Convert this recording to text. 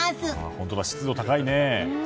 本当だ、湿度高いね。